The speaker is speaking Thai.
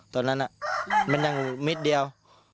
ตอนนั้นมันยังมิดเดียว